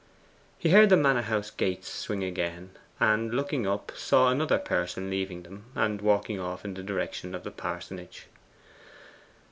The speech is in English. He heard the manor house gates swing again, and looking up saw another person leaving them, and walking off in the direction of the parsonage.